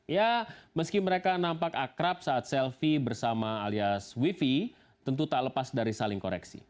ya meski mereka nampak akrab saat selfie bersama alias wifi tentu tak lepas dari saling koreksi